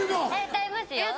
歌いますよ。